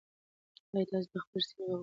ایا تاسي د خپلې سیمې په فولکلور پوهېږئ؟